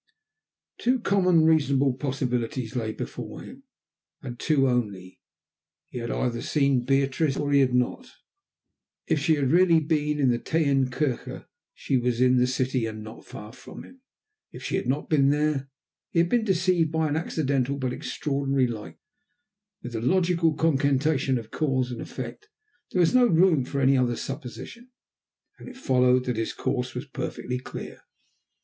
Two common, reasonable possibilities lay before him, and two only. He had either seen Beatrice, or he had not. If she had really been in the Teyn Kirche, she was in the city and not far from him. If she had not been there, he had been deceived by an accidental but extraordinary likeness. Within the logical concatenation of cause and effect there was no room for any other supposition, and it followed that his course was perfectly clear.